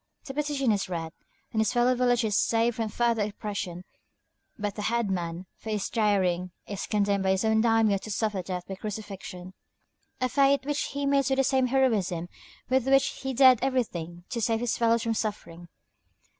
The petition is read, and his fellow villagers saved from further oppression, but the head man, for his daring, is condemned by his own daimiō to suffer death by crucifixion, a fate which he meets with the same heroism with which he dared everything to save his fellows from suffering.